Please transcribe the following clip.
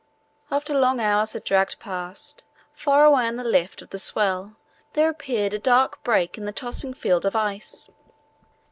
After long hours had dragged past, far away on the lift of the swell there appeared a dark break in the tossing field of ice.